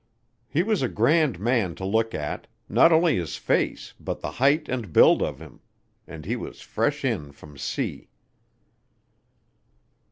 He was a grand man to look at, not only his face but the height and build of him, and he was fresh in from sea.